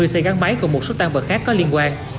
hai mươi xe gắn máy cùng một số tan vật khác có liên quan